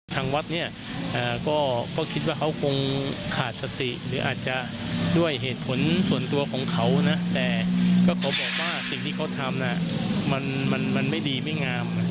ทางวัดเนี่ยก็คิดว่าเขาคงขาดสติหรืออาจจะด้วยเหตุผลส่วนตัวของเขานะแต่ก็เขาบอกว่าสิ่งที่เขาทำมันไม่ดีไม่งาม